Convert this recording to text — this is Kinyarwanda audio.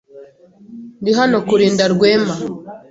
Ndi hano kurinda Rwema.